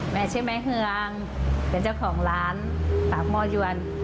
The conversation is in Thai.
ใช่ไหมเฮืองเป็นเจ้าของร้านปากหม้อยวน